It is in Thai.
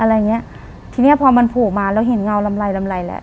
อะไรเงี้ยทีเนี้ยพอมันโผล่มาเราเห็นเงาลำไรลำไรแหละ